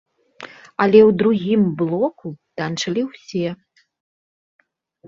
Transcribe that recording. Але ў другім блоку танчылі ўсе!